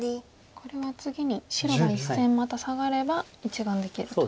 これは次に白が１線またサガれば１眼できると。